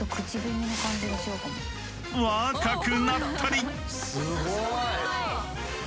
若くなったり。